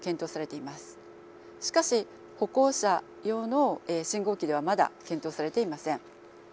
しかし歩行者用の信号機ではまだ検討されていません。